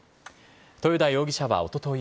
豊田容疑者はおととい